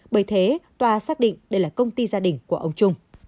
bởi thế tòa xác định đây là công ty gia đình của ông trung